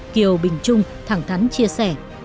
kiều bình trung thẳng thắn chia sẻ